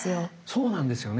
そうなんですよね。